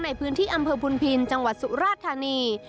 ในพื้นที่อำเภอพุนพินจังหวัดสุราธานี